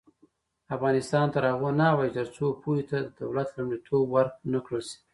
افغانستان تر هغو نه ابادیږي، ترڅو پوهې ته د دولت لومړیتوب ورکړل نشي.